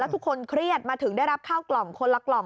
ทุกคนเครียดมาถึงได้รับข้าวกล่องคนละกล่อง